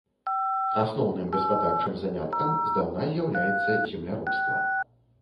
Асноўным гаспадарчым заняткам здаўна з'яўляецца земляробства.